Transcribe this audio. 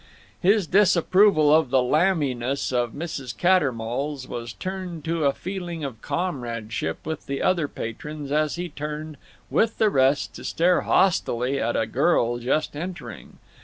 His disapproval of the lambiness of Mrs. Cattermole's was turned to a feeling of comradeship with the other patrons as he turned, with the rest, to stare hostilely at a girl just entering.